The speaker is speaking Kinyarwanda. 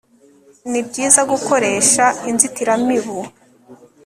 ni byiza gukoresha inzitiramibu